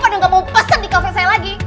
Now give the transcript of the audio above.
pada gak mau pesen di cover saya lagi